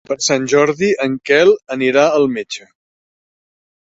Per Sant Jordi en Quel anirà al metge.